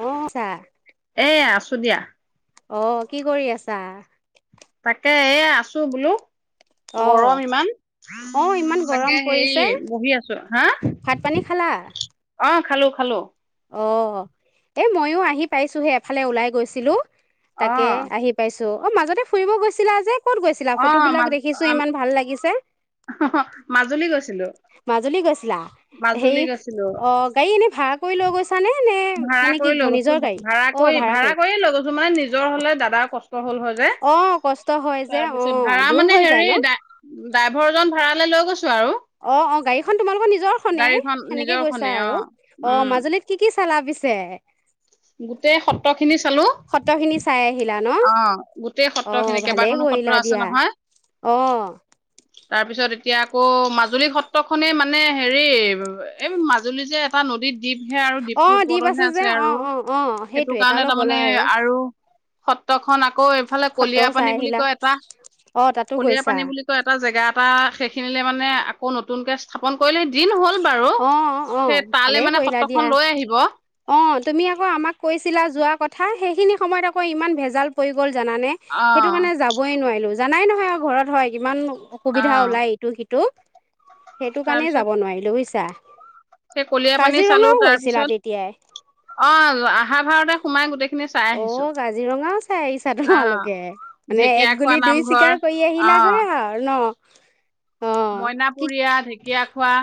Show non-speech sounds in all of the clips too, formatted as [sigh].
অ আছা এ, আছ আছো দিয়া। অ', কি কৰি আছা? তাকে এ, আছো বোলো। অ গৰম ইমান, অ ইমান তাকে গৰম হেৰি পৰিছে বহি আছো, হা ভাত পানী খালা অ', খালো, খালো। অ', এ ময়ো আহি পাইছোহে, এফালে ওলাই গৈছিলো। অ তাকে আহি পাইছো। অ', মাজতে ফুৰিব গৈছিলা যে। ক'ত গৈছিলা? অ ফটোবলাক মা দেখিছো আম- ইমান ভাল লাগিছে। মাজুলী গৈছিলো মাজুলী গৈছিলা, মাজুলী হেৰি গৈছিলো অ', গাড়ী এনে ভাড়া লৈ গৈছ ভাড়া কৰি লৈ গৈছো, ভাড়া কৰি, ভাড়া কৰিয়ে লৈ গৈছো, মানে নিজৰ হ'লে দাদাৰ কষ্ট হ'ল হয় যে। অ কষ্ট হয় যে অ তাৰপিছত ভাড়া দূৰ মানে হৈ যায় হেৰি ন ডাই, ডাইভৰ জন ভাড়ালে লৈ গৈছোঁ। অ', অ', গাড়ীখন তোমালোকৰ নিজৰ খনে, গাড়ীখন সেনেকে নিজৰখনে গৈছা অ আৰু, উম অ', মাজুলীত কি কি চা চালা পিছে? গোটেই সত্ৰখিনি চালোঁ। লা ন', অ', ভালেই কেইবাখনো সত্ৰ কৰিলা আছে দিয়া, নহয় অ'। তাৰপিছত, এতিয়া আকৌ মাজুলী সত্ৰ খনেই মানে হেৰি, এই মাজুলী যে এটা নদীত দ্বীপহে আৰু, অ দ্বীপটোৰ দ্বীপ ওপৰতৰহে যে আছে অ আৰু, অ অ সেইটো সেইটোৱে কাৰণে তালৈ গ'লা তাৰমানে আৰু সত্ৰখন আ আকৌ এইফালে সত্ৰও কলিয়াপানী চাই বুলি আহিলা কয় এটা, অ তাতো গৈছা কলিয়াপানী বুলি কয় এটা জেগা টা সেইখিনিলে মানে আকৌ নতুনকৈ স্থাপন কৰিলে দিন হ'ল বাৰু অ অ সেই তালে ভালেই মানে কৰিলা সত্ৰখন দিয়া লৈ আহিব অ তুমি আকৌ আমাক কৈছিলা যোৱা কথা সেই সিখিনি সময়ত আকৌ ইমান ভেজাল পৰি গ'ল, জানানে সেইটো কাৰণে যাবই নোৱাৰিলো। জানাই নহয় আৰু ঘৰত হয় কিমানো অ অসুবিধা ওলায় এইটো টো সেইটো কাৰণে তাৰপিছত যাব লৈছা, সেই কলিয়া পানী চালো তাৰপিছত, তেতিয়াই অ আহা ভাৰতে সোমাই গোতেই অ' কাজিৰঙাও চাই আহিছা অ তোমালোকে, মানে এক ঢেকীয়াখোৱা গুলিত দুই নামঘৰ চিকাৰ কৰি আহিলাগৈ আৰু ন অ মইনা কি পুৰিয়া ঢেকীয়াখোৱা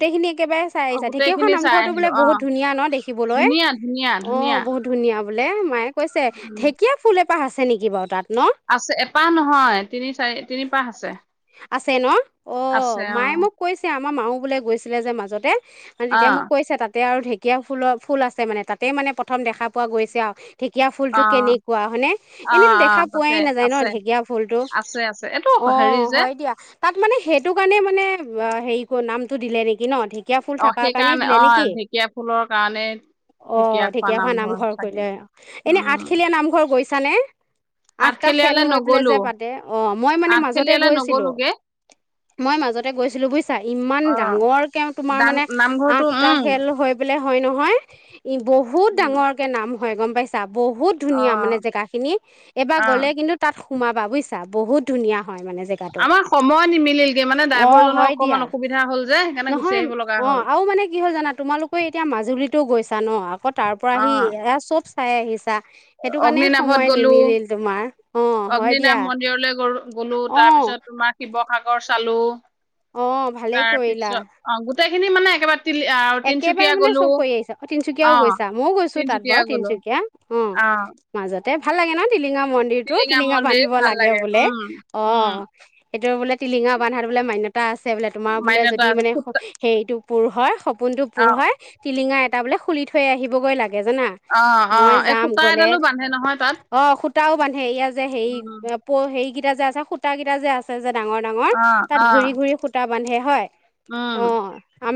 [unintelligible] একেবাৰে চাই অ আহিছা ঢেকীয়াখোৱা গোটেইখিনি চাই নামঘৰটো আহিলো বোলে অ বহুত ধুনীয়া ন দেখিবলৈ, ধুনীয়া ধুনীয়া অ ধুনীয়া বহুত ধুনীয়া বোলে মায়ে কৈছে ধুনীয়া ঢেকীয়া ফুলে তা আছে নেকি বাৰু তাত? ন আছে, এপাহ নহয়। তিনি চাৰি, তিনিপাহ আছে। আছে ন? অহ, আছে অ মায়ে মোক কৈছে। আমাৰ মায়ো বোলে গৈছিলে যে মাজতে। আৰু অ তেতিয়া মোক কৈছে তাত তে আৰু ঢেঁকীয়া ফুলৰ ফুল আছে, মানে তাতেই মানে প্ৰথম দেখা পোৱা গৈছে আৰু। ঢেঁকীয়া ফুলটো অ কেনেকুৱা হয়নে? অ এনেইতো অ দেখা পোৱাই তাতে নাযায় ন আছে ঢেকীয়া ফুলটো? আছে আছে এইটো হেৰি অহ। যে হয় দিয়া, তাত মানে সেইটো কাৰণে মানে, ৱা, হেৰি কৰ নাম টো দিলে নেকি ন ঢেঁক? ঢেকীয়া ফুল অ থাকাৰ কাৰণেই সেইকাৰণে দিলে অ নেকি? ঢেকীয়া ফুলৰ কাৰণে অহ, ঢেকীয়াখোৱা নামঘৰ কৰিলে, এনে উম আঠখেলীয়া নামঘৰ গৈছ চানে আঠটা খেল আঠখেলীয়ালে হৈ পেলাই নগলো যে পাতে? অহ, মই মানে মাজতে আঠখেলীয়ালে গৈছ নগলোগে [unintelligible] মই মাজতে গৈছিলোঁ বুজিছা, ইমান অ ডাঙৰকে তোমাৰ ডাং মানে নামঘৰটো আঠটা উম খেল হৈ পেলাই হয় নহয়। ই বহুত উম ডাঙৰকে নাম হয়, গম পাইছা? বহুত অ ধুনীয়া মানে জেগাখিনি এইবাৰ অ গ'লে কিন্তু তাত সোমাবা বুজিছা বহুত ধুনীয়া হয় মানে জেগা। আমাৰ সময় নিমিলিলগে মানে ড্ৰাইভৰজনৰ হয় দিয়া অকমান অসুবিধা হল যে সেইকাৰণে নহয় গুচি আহিব লগা অ' হ'ল। তো, গৈছা ন আগত। তাৰ পৰা আহি অ' এ চব। চাই আহিছা। সেইটো কাৰণে অগ্নিনাভত সময় গ'লো, নিমিলিল তোমাৰ অ' হয় দিয়া অগ্নিনাভ মন্দিৰলৈ গ গ'লো তাৰ অ' পিছত তোমাৰ শিৱসাগৰ চালো। অ' ভালে তাৰ কৰিলা। পিছত অ' গোটেইখিনি মানে একেবাৰে তিল একেবাৰে তিনচুকীয়া মানে গ'লো চব কৰি আহিছা। অ তিনচুকীয়াও অ' গৈছা, মইও গৈছো তাত তিনচুকীয়া বাৰু গ'লো তিনচুকীয়া। অঁ। অ' মাজত। ত [unintelligible] ভাল লাগে [unintelligible] টিলিঙা মন্দিৰটোত টিলিঙা মন্দিৰ বান্ধিব ভাল লাগে বোলে? উম উম অঁ। এতিয়াও বোলে টিলিঙা বান্ধাত বোলে মান্যতা আছে। [unintelligible] বোলে তোমাৰ বোলে মাইনতা যদি মানে স সূতা - হেৰিটো পূৰ হয় [unintelligible] পোনটো পূৰ অ' হয়। টিলিঙা এটা [unintelligible] বোলে খুলি থৈ আহিবগৈ লাগে। জানা অ-অ মই এই যাম সূতা গ'লে এডালো বান্ধে নহয় তাত। অ সূতাও বান্ধে এইয়া যে যে সেই উম প সেই কি কয়া যে আছে সূতা কেইটা যে আছে যে। ডাঙৰ ডাঙৰ, অ' তাত ঘূৰি অ' ঘূৰি সুতা বন্ধে হয়? অ উম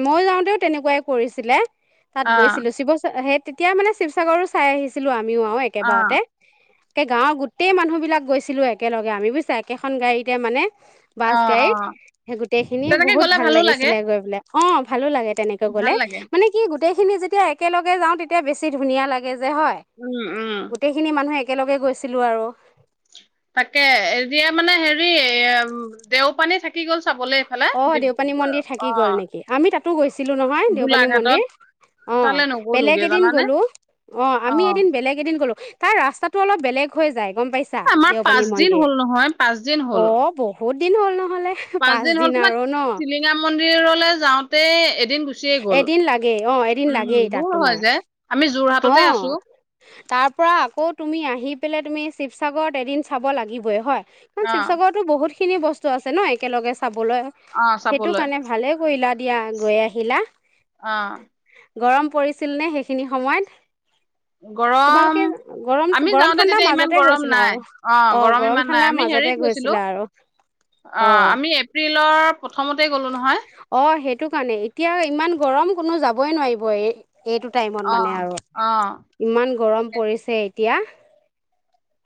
মই যাওঁতেও তেনেকুৱাই কৰিছিলে। তাত অ' গৈছিলো। শিৱ হৈত তেতিয়া মানে শিৱসাগৰো চাই আহিছিলো আমি আমিও আৰু অ' একেবাৰতে তাকে গাঁৱৰ গোটেই মানুহবিলাক গৈছিলোঁ একেলগে আমি বুজছা একেখন গাড়ীতে মানে। বাছ অ' গাড়ীত, অ' সেই গোটেই খিনি তেনেকে বহুত গ'লে ভাল ভালো লাগে, লাগিছিলে গৈ পেলায়। অ' ভালো লাগে তেনেকৈ গ'লে ভাল লাগে। মানে কি গোটেইখিনি যেতিয়া একেলগে যাওঁ তেতিয়া বেছি ধুনীয়া লাগে। হয় উম, উম। গোটেইখিনি মানুহে, একেলগে গৈছিলো আৰু তাকে এতিয়া মানে হেৰি এ দেওপানী থাকি গ'ল চাবলে এইফালে। অ দেওপানী ডিব্ৰুগড় মন্দিৰ থাকি গ'ল অ' নেকি আমি তাতো গৈছিলো নহয় দেওপানী গোলাঘাটত মন্দিৰ অ তালে নগ'লোগে বেলেগ এদিন জানানে। গ'লো অ আমি এদিন বেলেগ এদিন গলো তাৰ ৰাস্তাটো অলপ বেলেগ হৈ যায়। গম পাইছা আমাৰ দেউপানী পাঁচ দিন মন্দিৰ হ'ল নহয় পাঁচ দিন হ'ল অঁ বহুত দিন হ'ল নহ'লে, পাঁচ দিন হ'ল পাঁচদিন তোমাৰ আৰু ন তিলিঙা মন্দিৰলৈ যাওঁতে এদিন, গুচিয়ে গ'ল। এদিন লাগেই অ এদিন উম, লাগেই তাত দূৰ হয় তোমাৰ যে। আমি যোৰহাটতে অ' আছো। তাৰ পৰা আকৌ তুমি আহি পেলাই তুমি শিৱসাগৰত এদিন চাব লাগিবই হয় কাৰণ অ', শিৱসাগৰতৰত বহুত খিনি বস্তু আছে ন একেলগে খাবলৈ, অ' সেইটো চাবলৈ কাৰণে ভালে কৰিলা। দিয়া গৈ আহিলা। অ'। গৰম পৰিছিলনে সেইখিনি সময়ত? তোমালোকে গৰম গৰম আমি গৰম যাওঁতে ঠাণ্ডাৰ তেতিয়া ইমান মাজতে গৰম গৈছিলা নাই আৰু অ', গৰম ইমান নাই ঠাণ্ডাৰ আমি মাজতে হেৰিত গৈছিলো গৈছিলা অ', আৰু অ আমি এপ্ৰিলৰ প্ৰথমতে গ'লো নহয়। অ সেইটো কাৰণে এতিয়া ইমান গৰম কোনো যাবই নোৱাৰিব এই এইটো টাইমত মানে অ', আৰু। অ'। ইমান গৰম পৰিছে এতিয়া।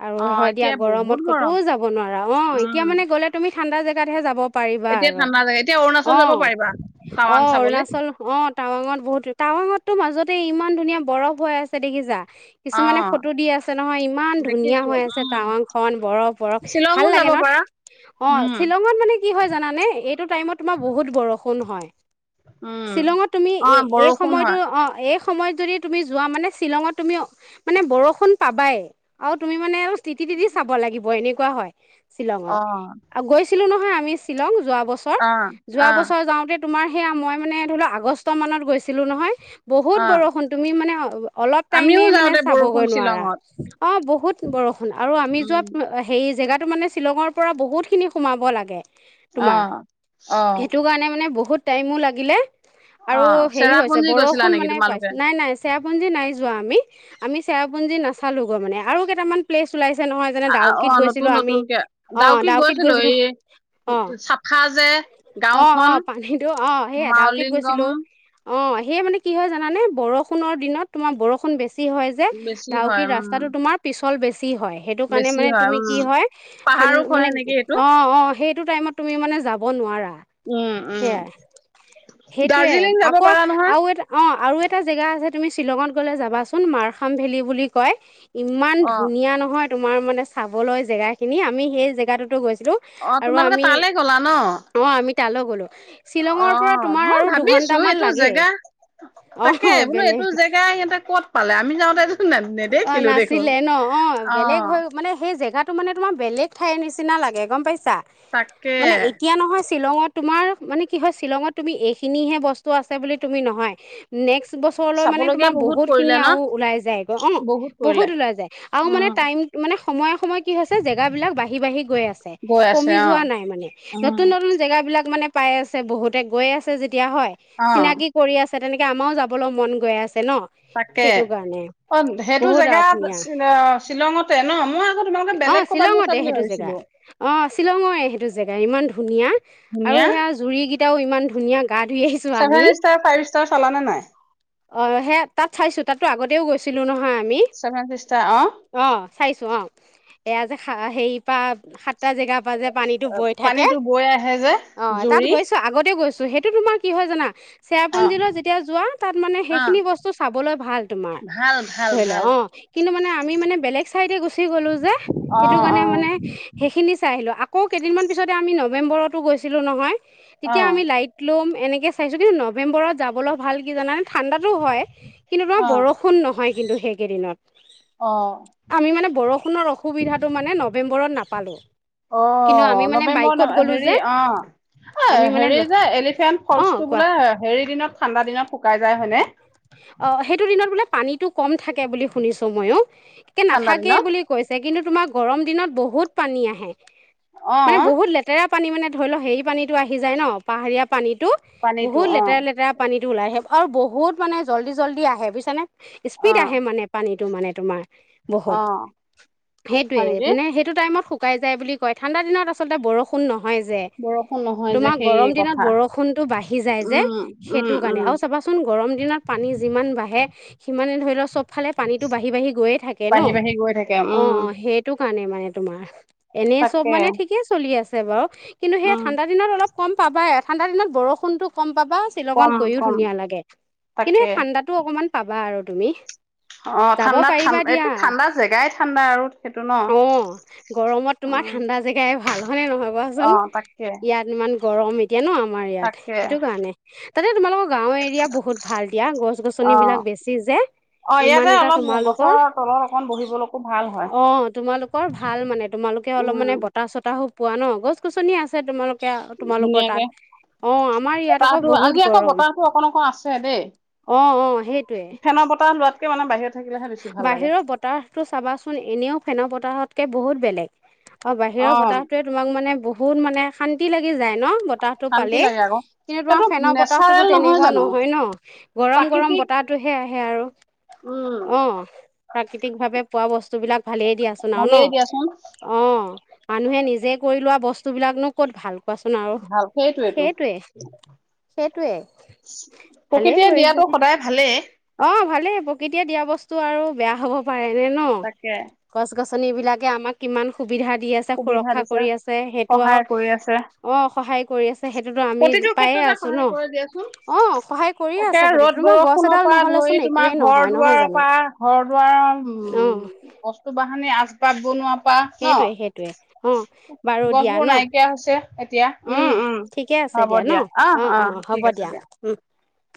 আৰু অ', হয় দিয়া এতিয়া গৰমত বহুত ক'তো গৰম। যাব নোৱাৰা অ', এতিয়া উম, মানে গ'লে তুমি ঠাণ্ডা জেগাত হে যাব পাৰিবা এতিয়া আৰু ঠাণ্ডা যে, এতিয়া অৰুণাচল যাব অঁ পাৰিবা অঁ টাৱাং চাবলে। অৰুণাচল অঁ টাৱাঙত বহুত টাৱাঙতটো মাজতে ইমান ধুনীয়া বৰফ ভয় আছে দেখিছা। কিছুমানে অ', ফটো দি আছে নহয় ইমান ধুনীয়া দেখিছো হৈ আছে উম, টাৱাং খন বৰফ বৰফ ভাল শ্বিলঙো যাব লাগে ন' পাৰা অ', উম, শ্বিলঙত মানে কি হয় জানানে? এইটোত টাইমত মই বহুত সৰু। কোন হয়? উম। শ্বিলঙত তুমি এ অ', এই বৰষুণ সময়তো হয় অ' এই সময়ত যদি তুমি যোৱা মানে শ্বিলঙত তুমি মানে বৰষুণ পাবাই আৰু তুমি মানে তিতি তিতি চাব লাগিব এনেকুৱ কোৱা হয়। শ্বিলঙত অ', আৰু গৈচি আছিলো নহয় আমি শ্বিলং যোৱা বছৰ অ', যোৱা অ', বছৰ যাওঁতে তোমাৰ সেয়া মই মানে ধৰি লোৱা আগষ্ট মানত গৈছিলোঁ নহয়। বহুত অ', বৰষুণ তুমি মানে অ' অলপ আমিও টাইমেই মানে যাওঁতে বৰষুণ চাবগৈ নোৱাৰা শ্বিলঙত অঁ বহুত বৰষুণ আৰু আমি উম, যোৱা হেই জেগাত মানে শ্বিলঙৰ পৰা বহুতখিনি সোমাব লাগে। তোমাৰ, অ'। অ', সেইটো কাৰণে মানে বহুত টাইমো লাগিলে আৰু অ', হেৰি হৈছে চেৰাপুঞ্জী গৈছিলা বৰষুণ নেকি মানে তোমালোকে? পাইছোঁ, নাই নাই। চেৰাপুঞ্জী নাই যোৱা আমি, আমি চেৰাপুঞ্জী নাচালো গৈ মানে আৰু কেইটামান প্লেচ ওলাই আ অ, নতুন নতুনকে অঁ দাউকি ডাউকিত গৈছিলো গৈছিলোঁ এই অঁ চাফা যে অঁ গাঁওখন অঁ পানীটো মাউলিংগম। অ' সেই মানে কি হয় জানানে বৰফ বৰষুণৰ দিনত তোমাৰ বৰষুণ বেছি। বেছি হয় যে, বেছি হয় দাউকি উম ৰাস্তাটো তোমাৰ পিছ ফল বেছি। কি হয়, হেতু কাৰনে বেছি মানে হয় তুমি, ঠাণ উম কি হয়, পাহাৰো খহে নেকি এইটো অ', অ' সেইটো টাইমত তুমি মানে যাব নোৱাৰা। উম, সেয়াই উম সেইটোৱে দাৰ্জিলিং যাব আকৌ পাৰা নহয়। আৰু এটা অ আৰু এটা জেগা, আছে তুমি শ্বিলঙত গ'লে যাবাচোন, মাৰখাম ভেলী বুলি কয়। ইমান অ ধুনীয়া নহয়। তোমাৰ মানে, চাবলৈ জেগা খিনি আমি সেই জেগা টো, টো, গৈছো। অ', তোমালোকে তালৈ গলা ন। অ আমি তালৈ, গ'লো। শ্বিলঙৰ পৰা অ', তোমাৰ মই আৰু ভাবিছোঁ। দুঘন্টামান এইটো লাগেই জেগা তাক অ তাকে, বোলো বেলেগ এইটো জেগা সিহঁতে ক'ত পালে। আমি যাওঁতে এই নেদেই অ খিলো দেখোন, অ', এই জেগাটো মানে তোমৰ বেলেগ ঠাইৰ নিচিনা লাগে গম পাইছ চা, তাকে মানে এতিয়া নহয় শ্বিলঙত, তোমাৰ মানে কি হয়, শ্বিলঙত তুমি এইখিনিহে বস্তু আছে বুলি তুমি নহয়। নেক্সট বছৰলৈ মানে চাবলগীয়া তোমাৰ বহুত পৰিলে খিনি ন আৰু ওলাই যায়। অ বহুত ওলাই যায় আৰু মানে, উম টাইম মানে সময় সময় কি হৈছে জেগাবিলাক বাঢ়ি বাঢ়ি গৈ আছে। গৈ আছে কমি অ যোৱা নাই মানে, উম নতুন নতুন জেগাবিলাক মানে পাই আছে বহুতে, গৈ আছে যে দিয়া হয়। অ চিনাকি কৰি আছ তেনেকে আমাৰ যাব বলৈ মন গৈ আছে ন তাকে সেইটো কাৰণে। অ সেইটো বহুত আৰু জেগাত ধুনীয়া শ্বিল- শ্বিলঙতে ন মই আকৌ তোমালোকে অ বেলেগ ক'ৰবাত গৈছা শ্বিলঙতে বুলি সেইটো জেগা, ভাবিছিলো অ শ্বিলঙৰে সেইটো জেগা ইমান ধুন ধুনীয়া। আৰু সেয়া জুৰি গিটা এতিয়াও ইমান ধুনীয়া গা ধুই আহিছো আমি চছেভেন ষ্টাৰ ফাইভ ষ্টাৰ চাল নে নাই? অ সেইয়া তাত চাইছো, তাতো আগতে এয়াও গৈছিলো নহয় আমি, ছেভেন ষ্টাৰ অ চাইছো অ'। এয়া যে হেৰি পৰা সাত টা জেগাৰ পৰা যে পানীতো বৈ থাকে পানীটো বৈ আহে যে অ' তাত জুৰি গৈছো আগতে গৈছো। সেইটো তোমাৰ কি হয় জানা? অ চেৰাপঞ্জীলৈ যেতিয়া যোৱা তাত মানে অ সেইখিনি বস্তু চাবলৈ ভাল তোমাৰ ভাল ভাল ধৰি ল ভাল অ'। কিন্তু মানে আমি মানে বেলেগ চাইডে গুচি গলো যে অ সেইটো কাৰণে মানে সেইখিনি চাই আহিলো। আকৌ কেইদিনমান পিছতে আমি নৱেম্বৰতো গৈছিলোঁ নহয় অ অ তেতিয়া আমি লাইট ল'ম এনেকৈ চাইছোঁ কিন্তু নৱেম্বৰত যাবলৈ ভাল কি জানানে ঠাণ্ডাতো হয়। কিন্তু ধমাৰ বৰষুণ নহয়। কিন্তু সেইকেই দিনত। অঁ, বৰষুণৰ অসুবিধাটো মানে নৱেম্বৰত নাপালো কিন্তু অঁ আমি মানে নৱেম্বৰ বাইকত গ'লো হেৰি যে অ আমি মানে হেৰি যে এলিফেণ্ট অ ফলচটো কোৱা বোলে হেৰি দিনত ঠাণ্ডা দিনত। শুকাই যায় হয়নে? অ সেইটো দিনত বোলে পানীতটো কম থাকে বুলি শুনিছো মইো। একে ঠাণ্ডা নাথাকে দিনত বুলি কৈছে কিন্তু তোমাৰ গৰম দিনত বহুত পানী আহে। অ মানে বহুত লেতেৰা। পানী মানে ধৰি ল সেই পানীটো আহি যায় ন পাহাৰীয়া। পানীতো পানীটো বহুত অ লেতেৰা লেতেৰা পানীত। ওলাই আহে আৰু বহুত। মানে জল্দি জল্দি আহে বুজিছা নে? অ স্পীড আহে মানে পানীত। তটো মানে তোমাৰ। বহুত অ সেইটোৱে হয় নেকি মানে সেইটো টাইমত শুকাই যায় বুলি ঠাণ্ডা দিনত আচলতে বৰষুণ ন হয় যে বৰষুণ নহয় যে তোমাৰ সেই গৰম দিনত কথা বৰষুণটো বাঢ়ি যায় যে উম উম সেইটো কাৰণে উম আৰু চাবাচোন গৰম পানী যিমান বাঢ়ে সিমানে ধৰি লওঁ চব ফালে পানীটো বাঢ়ি বাঢ়ি গৈয়ে থাকে ন' বাঢ়ি অ', বাঢ়ি গৈ থাকে উম অ', সেইটো কাৰণে মানে তোমাৰ। এনেই চব তাকে মানে ঠিকেই চলি আছ ছে বাৰু। কিন্তু সেই উম ঠাণ্ডা দিনত অলপ কম পাবাই, ঠাণ্ডা দিনত বৰষুণটো কম পাবা, শ্বিলঙত কম গৈয়ো কম ধুনীয়া লাগে। কিন্তু তাকে সেই ঠাণ্ডাটো অকমান পাবা আৰু তুমি। অ যাব ঠাণ্ডাত ঠান পাৰিবা দিয়া এইটো ঠাণ্ডা জেগাই ঠাণ্ডা আৰু সেইটো ন অ', গৰমত অ তোমাৰ ঠাণ্ডা জেগাই ভাল হয়নে নহয় কোৱাচোন, অ তাকে ইয়াত ইমান গৰম এ এতিয়া ন' আমাৰ ইয়াত তাকে সেইটো কাৰণে তাতে তোমালোকৰ গাঁও এৰিয়া বহুত ভাল দিয়া গছ গছনি অ বিলাক বেছি যে অ ইমান ইয়াতে এটা অলপ তোমালোকৰ গছৰ তলত অকন বহিবলৈকো ভাল হয় অ' তোমালোকৰ ভাল মানে তোমালোকে অলপ উম মানে বতাহ চতাহো পোৱা ন গছ গছনি আছে তোমালোক এতিয়া তোমালোকৰ তাত ধুনীয়াকে অ' আমাৰ ইয়াত আকৌ বতাহটো বহুত আজি আকৌ গৰম। বতাহটো অকন অকন আছে দেই অ' অ' হেইটোৱে কৈ মানে বাহিৰত থাকিলেহে বেছি ভাল লাগে বাহিৰৰ বতাহতটো চাবাচোন এনেও ফেনৰ বতাহত কে বহুত বেলেগ অ' অ বাহিৰৰ বতাহটোয়ে তোমাক মানে বহুত বহুত মানে শান্তি লাগি যায় ন বতাহটো শান্তি পালেই, লাগে আকৌ কিন্তু তোমাৰ সেইটো ফেনৰ নেচাৰেল বতাহটোতো তেনেকুৱা জানো নহয় ন গৰম গৰম প্ৰাকৃতিক বতাহতটোহে আহে হে আৰু উম। অ' প্ৰাকৃতিক ভাৱে পোৱা বস্তু বিলাক ভালেইে দিয়াচোন আৰু ভালেই দিয়াচোন ন অ' মানুহে নিজে কৰি লোৱা। বস্তুবিলাকনো ক'ত ভাল কোৱাচোন আৰু ভাল সেইটোৱেটো সেইটোৱে। সেইটোৱে ভালেই প্ৰকৃতিয়ে কৰিছে দিয়াটো দে সদায় ভালেই অ ভালেই প্ৰকৃতিয়ে দিয়া বস্তু আৰু বেয়া হ'ব পাৰে নে নে তাকে। গছ গছ গছনি বিলাকে আমাৰ কিমান সু সুবিধা দি আছে সুবিধা সুৰক্ষা দিছে কৰি আছে সেইটো আও সহায় কৰি আছে। অ সহায় কৰি আছে সেইটোতো আমি প্ৰতিটো পায়ে ক্ষেত্ৰতে আছো ন সহায় কৰে দিয়াচোন। অ সহায় কৰিয়ে তাকে আছে প্ৰতি ৰ'দ তোমাৰ গছ বৰষুণৰ নহ'লেচোন ধৰি তোমাৰ একোৱেই ঘৰ নহয় নহয় দুৱাৰৰ জানো পৰা ঘৰ দুৱাৰৰ উ অ', বস্তু বাহ নী আস পাত বনোৱা পা ন টোৱে অ বাৰু দিয়া গছবোৰ ন নাইকিয়া হৈছে এতিয়া। উম ঠিকে আছে হ'ব দিয়া অহ ন অ অহ অ ঠিক হ'ব আছে দিয়া উম